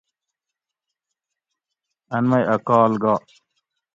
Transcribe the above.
ان مئی ا کال گا